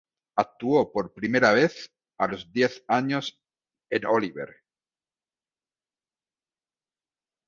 Actuó por primera vez a los diez años en "Oliver!